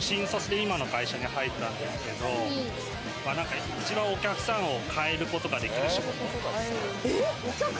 新卒で今の会社に入ったんですけれど、一番お客さんを変えることができる職業。